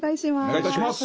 お願いいたします。